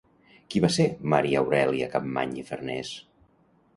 Qui va ser Maria Aurèlia Capmany i Farnés?